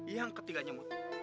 yang ketiganya mut